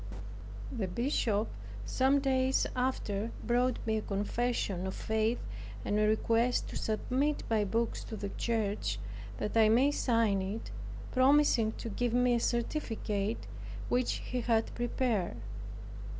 The bishop some days after, brought me a confession of faith, and a request to submit my books to the church, that I may sign it, promising to give me a certificate, which he had prepared.